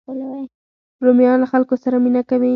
رومیان له خلکو سره مینه کوي